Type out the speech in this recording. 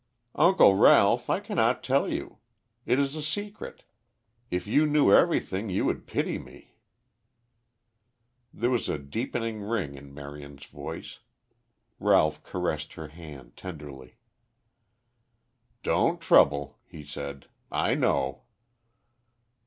"Uncle Ralph, I cannot tell you. It is a secret. If you knew everything you would pity me." There was a deepening ring in Marion's voice. Ralph caressed her hand tenderly. "Don't trouble," he said. "I know."